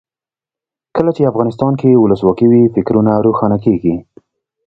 کله چې افغانستان کې ولسواکي وي فکرونه روښانه کیږي.